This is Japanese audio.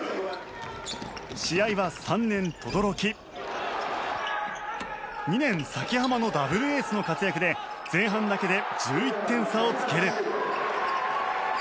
試合は３年、轟２年、崎濱のダブルエースの活躍で前半だけで１１点差をつける。